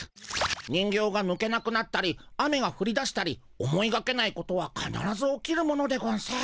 人形がぬけなくなったり雨がふりだしたり思いがけないことはかならず起きるものでゴンス。